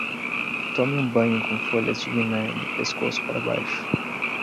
Tome um banho com folhas de guiné do pescoço para baixo